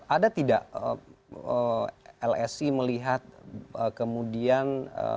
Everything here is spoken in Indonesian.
ada tidak lsi melihat kemudian